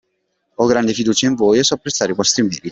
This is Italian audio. Ho grande fiducia in voi e so apprezzare i vostri meriti.